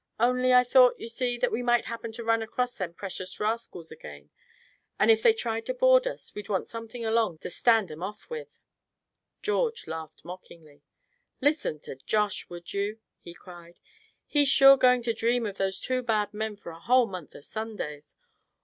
"Only I thought, you see, that we might happen to run across them precious rascals again, and if they tried to board us, we'd want something along to stand 'em off with." George laughed mockingly. "Listen to Josh, would you?" he cried. "He's sure going to dream of those two bad men for a whole month of Sundays.